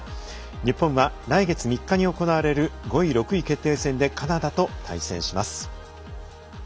日本は来月３日に行われる５位６位、決定戦でカナダと対戦します。